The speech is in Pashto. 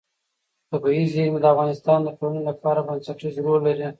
طبیعي زیرمې د افغانستان د ټولنې لپاره بنسټيز رول لري.